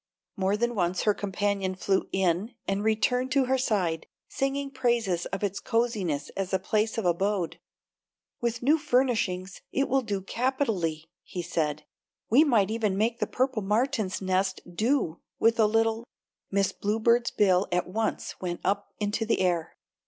More than once her companion flew in and returned to her side, singing praises of its coziness as a place of abode. "With new furnishings it will do capitally," said he; "we might even make the Purple Martins' nest do with a little " Miss Bluebird's bill at once went up into the air.